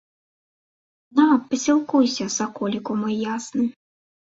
На, пасілкуйся, саколіку мой ясны!